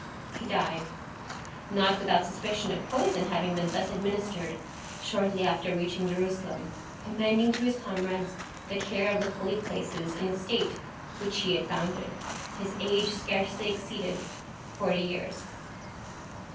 He died, not without suspicion of poison having been thus administered, shortly after reaching Jerusalem, commending to his comrades the care of the holy places, and the state which he had founded. His age scarcely exceeded forty years.